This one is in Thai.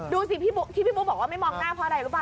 ดูสิที่พี่บุ๊คบอกว่าไม่มองหน้าเพราะอะไรรู้ป่